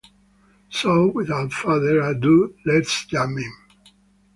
So, without further ado let’s jump in!